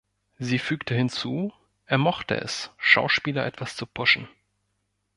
Sie fügte hinzu: „Er mochte es, Schauspieler etwas zu pushen“.